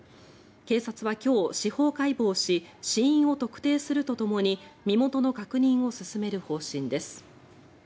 警察は今日、司法解剖し死因を特定するとともに身元の確認を進める方針です。